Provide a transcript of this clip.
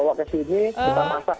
bawa ke sini kita masak